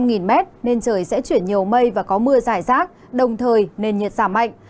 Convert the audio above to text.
nên trời sẽ chuyển nhiều mây và có mưa dài rác đồng thời nên nhiệt giảm mạnh